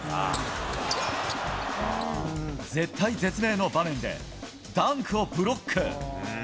絶体絶命の場面で、ダンクをブロック。